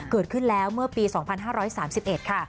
เกิดขึ้นแล้วเมื่อปี๒๕๓๑ค่ะ